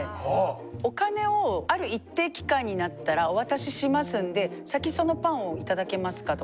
お金をある一定期間になったらお渡ししますんで先そのパンを頂けますかと。